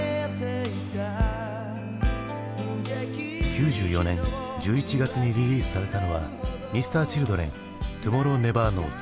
９４年１１月にリリースされたのはＭｒ．Ｃｈｉｌｄｒｅｎ「Ｔｏｍｏｒｒｏｗｎｅｖｅｒｋｎｏｗｓ」。